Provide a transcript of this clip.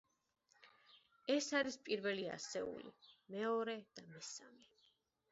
ეს არის პირველი ასეული, მეორე და მესამე.